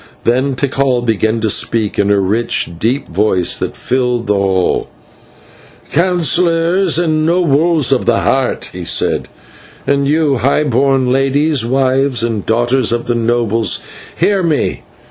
Then Tikal began to speak in a rich, deep voice that filled the hall: "Councillors and Nobles of the Heart," he said, "and you, high born ladies, wives and daughters of the nobles, hear me.